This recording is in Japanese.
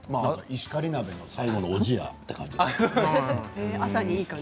石狩鍋の最後のおじやという感じです。